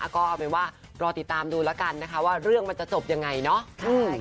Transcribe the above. ก็เอาเป็นว่ารอติดตามดูแล้วกันนะคะว่าเรื่องมันจะจบยังไงเนาะ